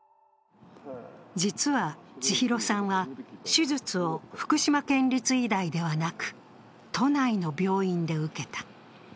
実は千尋さんは、手術を福島県立医大ではなく、都内の病院で受けた。